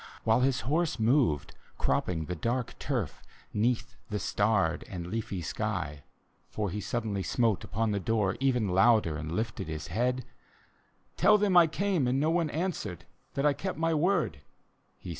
While his horse moved, cropping the dark turf, 'Neath the starred and leafy sky. For he suddenly smote upon the door, even Louder, and lifted his head: —" Tell them I came and no one answered, lliat I kept my word," he said.